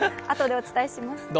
あとでお伝えします。